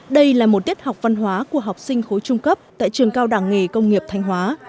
đây là một tiết học văn hóa của học sinh khối trung cấp tại trường cao đảng nghề công nghiệp thanh hóa